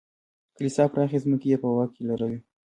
کلیسا پراخې ځمکې یې په واک کې لرلې.